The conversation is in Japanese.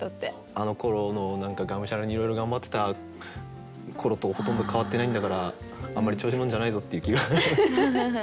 あのころの何かがむしゃらにいろいろ頑張ってた頃とほとんど変わってないんだからあんまり調子に乗るんじゃないぞっていう気が今でもします。